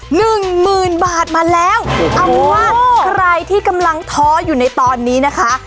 หนึ่งหมื่นบาทมาแล้วเอาเป็นว่าใครที่กำลังท้ออยู่ในตอนนี้นะคะ